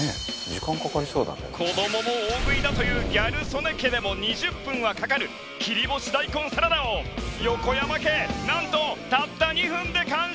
子どもも大食いだというギャル曽根家でも２０分はかかる切り干し大根サラダを横山家なんとたった２分で完食だ！